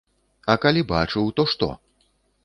А калі бачыў, то што?